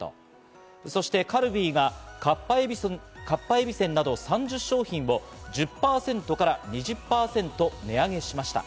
カルビーがかっぱえびせんなどを３０商品を１０％から２０％値上げしました。